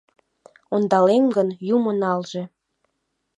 Ондалем гын, юмо налже